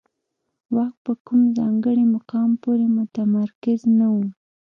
واک په کوم ځانګړي مقام پورې متمرکز نه و.